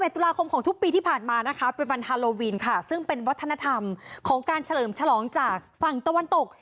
ตุลาคมของทุกปีที่ผ่านมานะคะเป็นวันฮาโลวีนค่ะซึ่งเป็นวัฒนธรรมของการเฉลิมฉลองจากฝั่งตะวันตก